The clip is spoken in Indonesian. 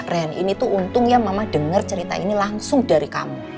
ren ini tuh untung ya mama dengar cerita ini langsung dari kamu